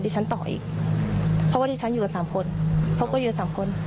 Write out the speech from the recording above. ดิฉันต่ออีกเพราะว่าดิฉันอยู่กับสามคนเพราะว่าอยู่กับสามคน